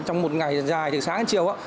trong một ngày dài từ sáng đến chiều